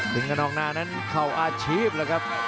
กระน้องหน้านั้นเข้าอาร์จชีฟเลยครับ